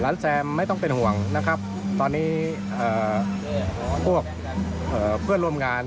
หลานแซมไม่ต้องห่วงนะครับตอนนี้เพื่อนร่วมงาน